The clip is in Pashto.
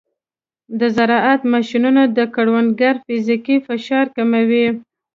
د زراعت ماشینونه د کروندګرو فزیکي فشار کموي.